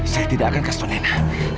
saya tidak akan kasih tau